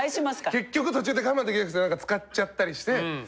結局途中で我慢できなくて使っちゃったりして。